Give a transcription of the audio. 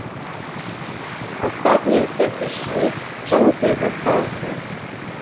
Астатнія ўсе сышлі, чаму ты застаўся?